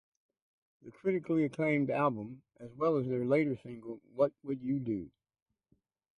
The critically acclaimed album, as well as their later single What Would You Do?